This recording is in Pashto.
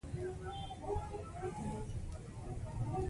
غوره تصمیمونه د پوهې پر بنسټ وي.